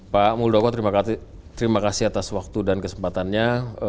pak muldoko terima kasih atas waktu dan kesempatannya